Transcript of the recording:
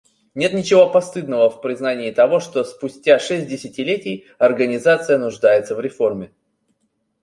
Нет ничего постыдного в признании того, что спустя шесть десятилетий Организация нуждается в реформе.